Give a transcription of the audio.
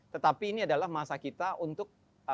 tetapi ini adalah masa kita untuk